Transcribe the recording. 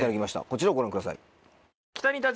こちらをご覧ください。